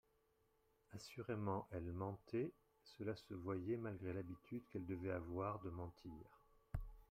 Assurément elle mentait, cela se voyait, malgré l'habitude qu'elle devait avoir de mentir.